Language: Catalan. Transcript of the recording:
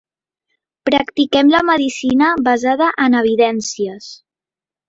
Practiquem la medicina basada en evidències.